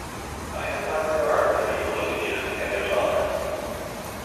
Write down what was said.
I have high regard for the people of India and their tolerance.